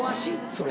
それ。